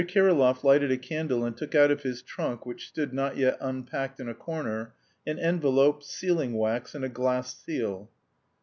Kirillov lighted a candle and took out of his trunk, which stood not yet unpacked in a corner, an envelope, sealing wax, and a glass seal.